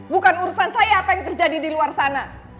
bukan urusan saya apa yang terjadi di luar sana